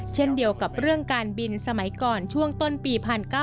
เช่นเดียวกับเรื่องการบินสมัยก่อนช่วงต้นปี๑๙๙